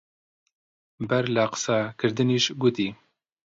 بەر لە قسە کردنیش گوتی: